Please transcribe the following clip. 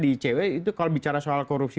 di icw itu kalau bicara soal korupsi